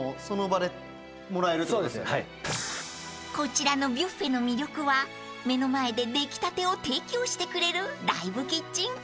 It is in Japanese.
［こちらのビュッフェの魅力は目の前で出来たてを提供してくれる］